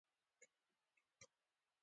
پیاز د غاړې خراش نرموي